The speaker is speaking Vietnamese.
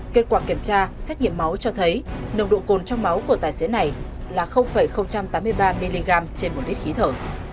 kết quả kiểm tra xét nghiệm máu cho thấy nồng độ cồn trong máu của tài xế này là tám mươi ba mg trên một lít khí thở